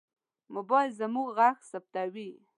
موبایل زموږ غږ ثبتوي.